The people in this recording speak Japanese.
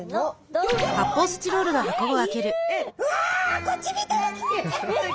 うわこっち見てる！